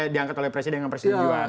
diangkat oleh presiden dengan presiden juhan